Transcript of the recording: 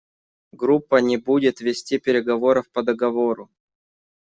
Группа не будет вести переговоров по договору.